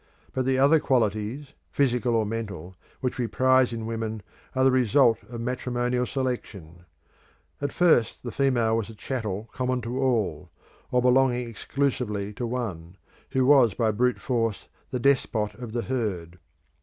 But the other qualities, physical or mental, which we prize in women are the result of matrimonial selection. At first the female was a chattel common to all, or belonging exclusively to one, who was by brute force the despot of the herd.